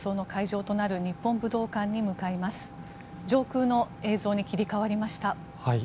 上空の映像に切り替わりました。